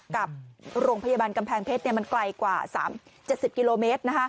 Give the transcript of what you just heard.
กับโรงพยาบาลกำแพงเพชรมันไกลกว่า๗๐กิโลเมตร